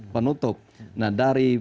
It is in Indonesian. penutup nah dari